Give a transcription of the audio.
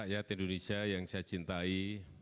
rakyat indonesia yang saya cintai